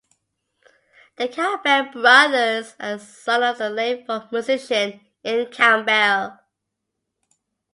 The Campbell brothers are the sons of the late folk musician, Ian Campbell.